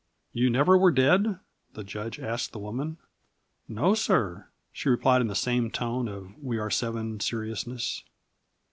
"You never were dead?" the judge asked the woman. "No sir," she replied in the same tone of We are Seven seriousness.